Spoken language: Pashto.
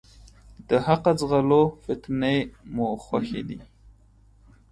د حقه ځغلو ، فتنې مو خوښي دي.